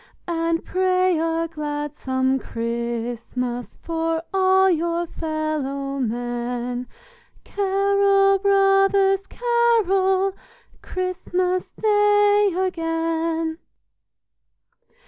And pray a gladsome Christmas For all your fellow men; Carol, brothers, carol, Christmas Day again."